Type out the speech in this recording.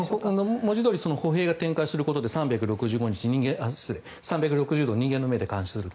文字どおり歩兵が展開することで３６０度人間の目で監視すると。